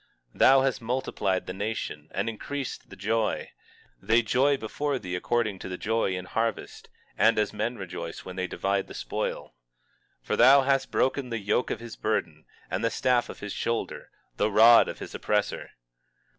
19:3 Thou hast multiplied the nation, and increased the joy—they joy before thee according to the joy in harvest, and as men rejoice when they divide the spoil. 19:4 For thou hast broken the yoke of his burden, and the staff of his shoulder, the rod of his oppressor.